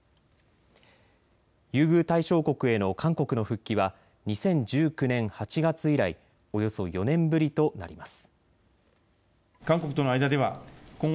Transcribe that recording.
優遇対象国への韓国の復帰は２０１９年８月以来およそ４年ぶりとなります。